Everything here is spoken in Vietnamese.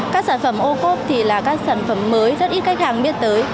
các sản phẩm ô cốt thì là các sản phẩm mới rất ít khách hàng biết tới